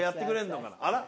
あら？